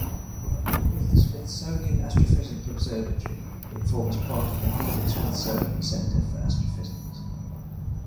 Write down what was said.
With the Smithsonian Astrophysical Observatory, it forms part of the Harvard-Smithsonian Center for Astrophysics.